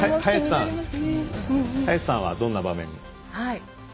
早瀬さんは、どんな場面を？